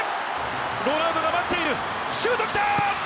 ロナウドが待っているシュート来た！